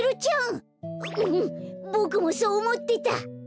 うんボクもそうおもってた！